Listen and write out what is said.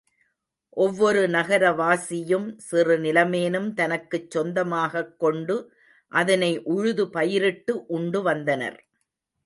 ஒவ்வொரு நகர வாசியும், சிறு நிலமேனும் தனக்குச் சொந்தமாகக்கொண்டு அதனை உழுது பயிரிட்டு உண்டுவந்தனர்.